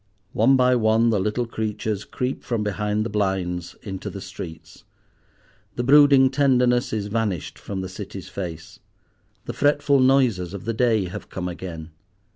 One by one the little creatures creep from behind the blinds into the streets. The brooding tenderness is vanished from the City's face. The fretful noises of the day have come again.